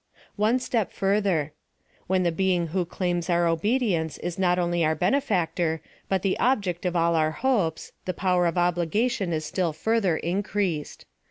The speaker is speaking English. One step further — When the being who claims our obedience, is not on. 7 our benefactor, but the object of all our hopes, the power of obligation is still further increased.